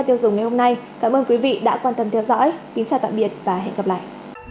cảm ơn các bạn đã theo dõi và hẹn gặp lại